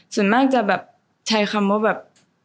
ส่วนมากจะแบบใช้คำว่าแบบ